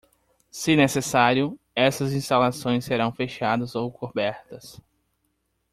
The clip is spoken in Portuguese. Se necessário, essas instalações serão fechadas ou cobertas.